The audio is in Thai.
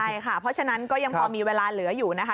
ใช่ค่ะเพราะฉะนั้นก็ยังพอมีเวลาเหลืออยู่นะคะ